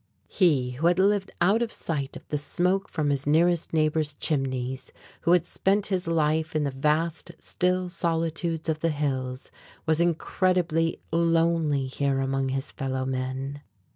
He, who had lived out of sight of the smoke from his nearest neighbor's chimneys, who had spent his life in the vast, still solitudes of the hills, was incredibly lonely here among his fellow men.